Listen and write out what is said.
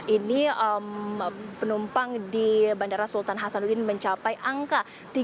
ini penumpang di bandara sultan hasanuddin mencapai angka tiga puluh